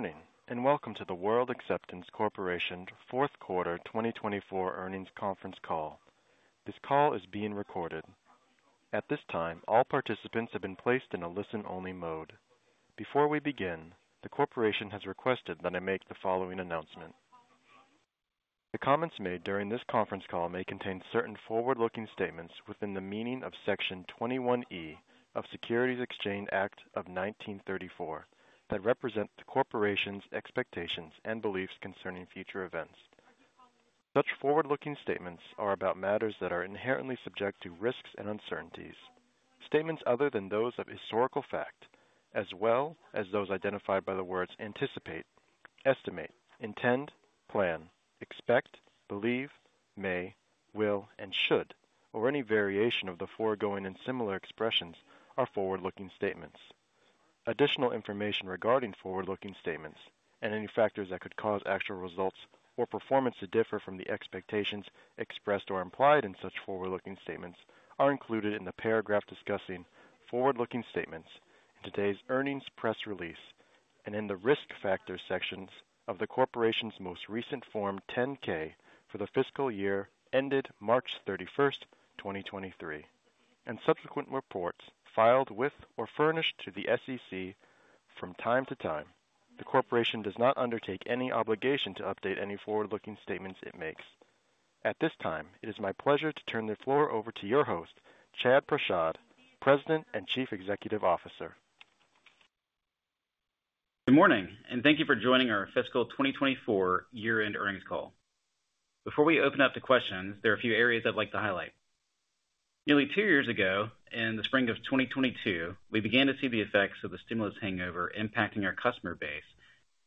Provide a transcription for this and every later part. Good morning, and welcome to the World Acceptance Corporation Fourth Quarter 2024 Earnings Conference Call. This call is being recorded. At this time, all participants have been placed in a listen-only mode. Before we begin, the corporation has requested that I make the following announcement. The comments made during this conference call may contain certain forward-looking statements within the meaning of Section 21E of Securities Exchange Act of 1934, that represent the corporation's expectations and beliefs concerning future events. Such forward-looking statements are about matters that are inherently subject to risks and uncertainties. Statements other than those of historical fact, as well as those identified by the words anticipate, estimate, intend, plan, expect, believe, may, will, and should, or any variation of the foregoing and similar expressions, are forward-looking statements. Additional information regarding forward-looking statements and any factors that could cause actual results or performance to differ from the expectations expressed or implied in such forward-looking statements are included in the paragraph discussing forward-looking statements in today's earnings press release and in the Risk Factors sections of the corporation's most recent Form 10-K for the fiscal year ended March 31, 2023, and subsequent reports filed with or furnished to the SEC from time to time. The corporation does not undertake any obligation to update any forward-looking statements it makes. At this time, it is my pleasure to turn the floor over to your host, Chad Prashad, President and Chief Executive Officer. Good morning, and thank you for joining our fiscal 2024 year-end earnings call. Before we open up to questions, there are a few areas I'd like to highlight. Nearly two years ago, in the spring of 2022, we began to see the effects of the stimulus hangover impacting our customer base,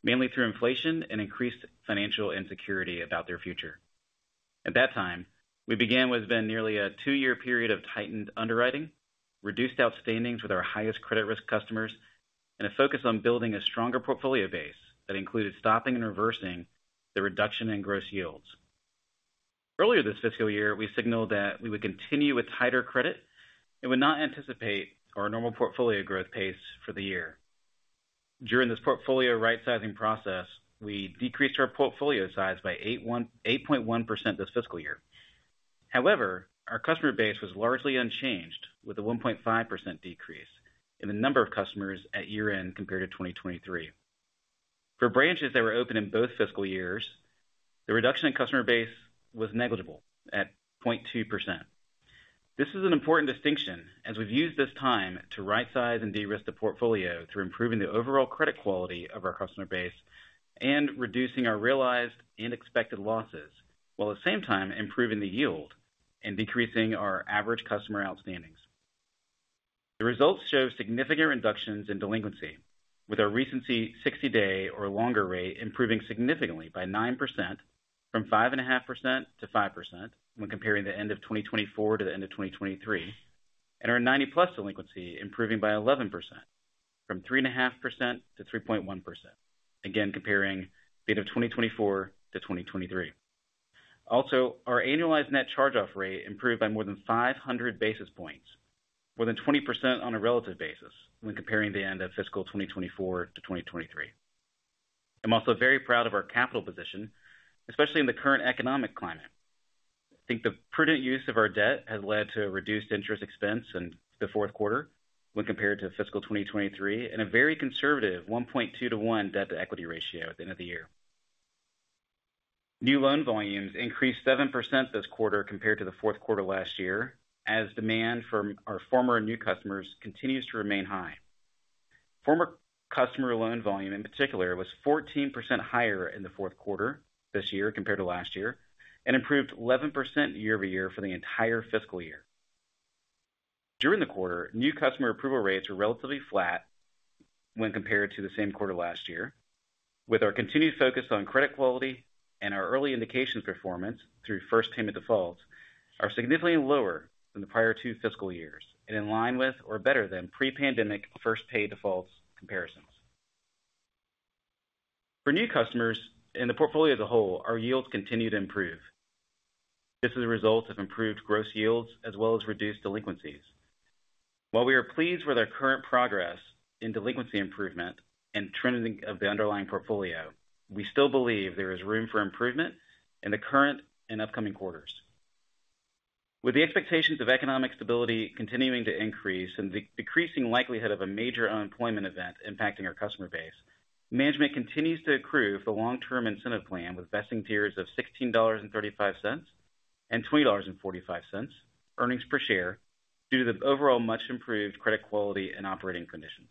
mainly through inflation and increased financial insecurity about their future. At that time, we began what has been nearly a two-year period of tightened underwriting, reduced outstandings with our highest credit risk customers, and a focus on building a stronger portfolio base that included stopping and reversing the reduction in gross yields. Earlier this fiscal year, we signaled that we would continue with tighter credit and would not anticipate our normal portfolio growth pace for the year. During this portfolio rightsizing process, we decreased our portfolio size by 8.1% this fiscal year. However, our customer base was largely unchanged, with a 1.5% decrease in the number of customers at year-end compared to 2023. For branches that were open in both fiscal years, the reduction in customer base was negligible at 0.2%. This is an important distinction as we've used this time to rightsize and de-risk the portfolio through improving the overall credit quality of our customer base and reducing our realized and expected losses, while at the same time improving the yield and decreasing our average customer outstandings. The results show significant reductions in delinquency, with our recency 60-day or longer rate improving significantly by 9% from 5.5% to 5% when comparing the end of 2024 to the end of 2023, and our 90+ delinquency improving by 11% from 3.5% to 3.1%, again, comparing data 2024 to 2023. Also, our annualized net charge-off rate improved by more than 500 basis points, more than 20% on a relative basis when comparing the end of fiscal 2024 to 2023. I'm also very proud of our capital position, especially in the current economic climate. I think the prudent use of our debt has led to a reduced interest expense in the fourth quarter when compared to fiscal 2023, and a very conservative 1.2-to-1 debt-to-equity ratio at the end of the year. New loan volumes increased 7% this quarter compared to the fourth quarter last year, as demand from our former and new customers continues to remain high. Former customer loan volume, in particular, was 14% higher in the fourth quarter this year compared to last year and improved 11% year-over-year for the entire fiscal year. During the quarter, new customer approval rates were relatively flat when compared to the same quarter last year. With our continued focus on credit quality and our early indications, performance through first pay defaults are significantly lower than the prior two fiscal years and in line with or better than pre-pandemic first pay defaults comparisons. For new customers in the portfolio as a whole, our yields continue to improve. This is a result of improved gross yields as well as reduced delinquencies. While we are pleased with our current progress in delinquency improvement and trending of the underlying portfolio, we still believe there is room for improvement in the current and upcoming quarters. With the expectations of economic stability continuing to increase and the decreasing likelihood of a major unemployment event impacting our customer base, management continues to accrue the Long-Term Incentive Plan, with vesting tiers of $16.35 and $20.45 earnings per share due to the overall much improved credit quality and operating conditions.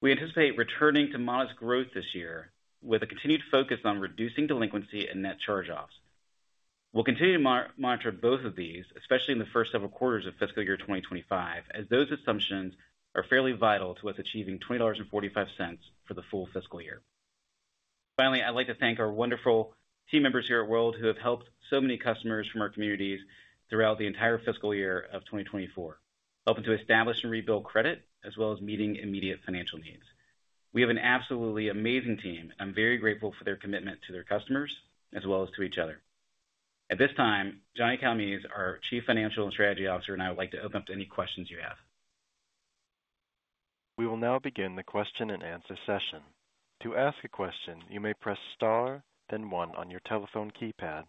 We anticipate returning to modest growth this year with a continued focus on reducing delinquency and net charge-offs. We'll continue to monitor both of these, especially in the first several quarters of fiscal year 2025, as those assumptions are fairly vital to us achieving $20.45 for the full fiscal year. Finally, I'd like to thank our wonderful team members here at World who have helped so many customers from our communities throughout the entire fiscal year of 2024, helping to establish and rebuild credit as well as meeting immediate financial needs. We have an absolutely amazing team. I'm very grateful for their commitment to their customers as well as to each other.... At this time, John Calmes, our Chief Financial and Strategy Officer, and I would like to open up to any questions you have. We will now begin the question and answer session. To ask a question, you may press star, then one on your telephone keypad.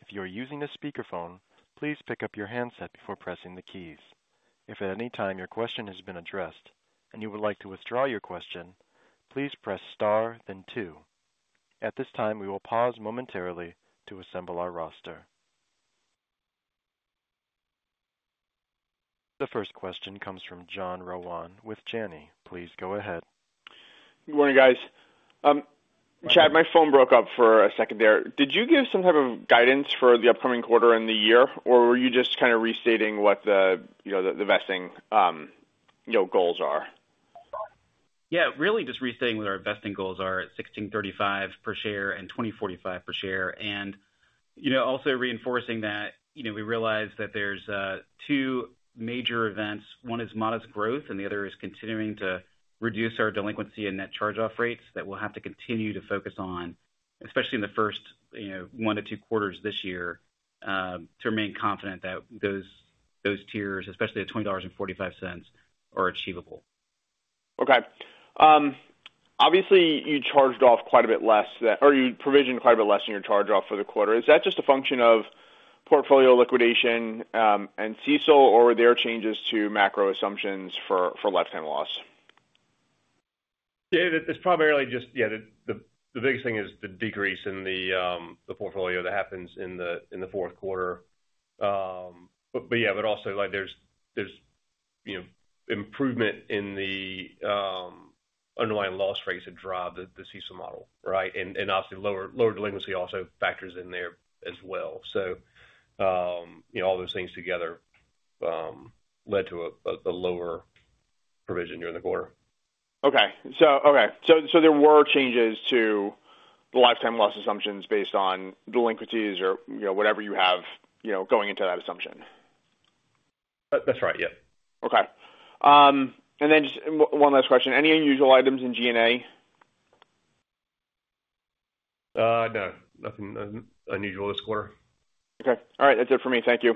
If you are using a speakerphone, please pick up your handset before pressing the keys. If at any time your question has been addressed and you would like to withdraw your question, please press star then two. At this time, we will pause momentarily to assemble our roster. The first question comes from John Rowan with Janney. Please go ahead. Good morning, guys. Chad, my phone broke up for a second there. Did you give some type of guidance for the upcoming quarter and the year, or were you just kind of restating what the, you know, the investing, you know, goals are? Yeah, really just restating what our investing goals are at $16.35 per share and $20.45 per share. And, you know, also reinforcing that, you know, we realize that there's two major events. One is modest growth, and the other is continuing to reduce our delinquency and net charge-off rates that we'll have to continue to focus on, especially in the first, you know, 1 to 2 quarters this year, to remain confident that those, those tiers, especially the $20.45, are achievable. Okay. Obviously, you charged off quite a bit less than, or you provisioned quite a bit less than your charge-off for the quarter. Is that just a function of portfolio liquidation, and CECL, or were there changes to macro assumptions for lifetime loss? Yeah, it's primarily just... Yeah, the biggest thing is the decrease in the portfolio that happens in the fourth quarter. But yeah, but also, like, there's you know, improvement in the underlying loss rates that drive the CECL model, right? And obviously lower delinquency also factors in there as well. So, you know, all those things together led to a lower provision during the quarter. Okay. So there were changes to the lifetime loss assumptions based on delinquencies or, you know, whatever you have, you know, going into that assumption? That's right, yeah. Okay. Just one last question. Any unusual items in G&A? No, nothing unusual this quarter. Okay. All right, that's it for me. Thank you.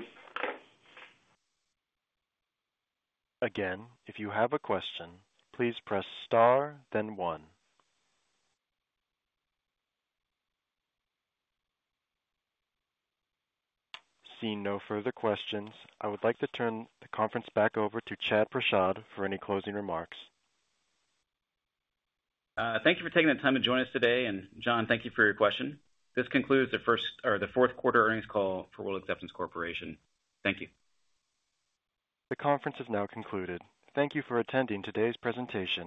Again, if you have a question, please press star, then one. Seeing no further questions, I would like to turn the conference back over to Chad Prashad for any closing remarks. Thank you for taking the time to join us today. John, thank you for your question. This concludes the first or the fourth quarter earnings call for World Acceptance Corporation. Thank you. The conference is now concluded. Thank you for attending today's presentation.